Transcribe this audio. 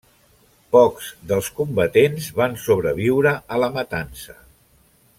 Pocs dels combatents van sobreviure a la matança.